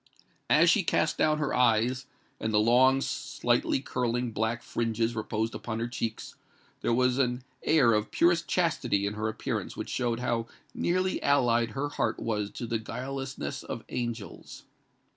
As she cast down her eyes, and the long slightly curling black fringes reposed upon her cheeks, there was an air of purest chastity in her appearance which showed how nearly allied her heart was to the guilelessness of angels.